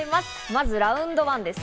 まずラウンド１です。